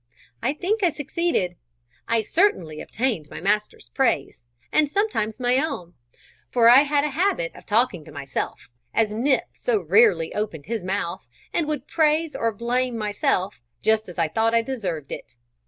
I think I succeeded; I certainly obtained my master's praise, and sometimes my own; for I had a habit of talking to myself, as Nip so rarely opened his mouth, and would praise or blame myself just as I thought I deserved it.